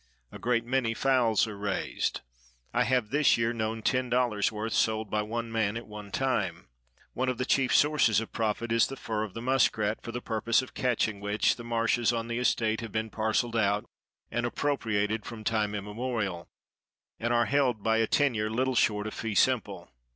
A great many fowls are raised; I have this year known ten dollars worth sold by one man at one time. One of the chief sources of profit is the fur of the muskrat; for the purpose of catching which the marshes on the estate have been parcelled out and appropriated from time immemorial, and are held by a tenure little short of fee simple.